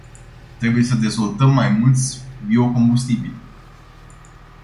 Trebuie să dezvoltăm mai mulți biocombustibili.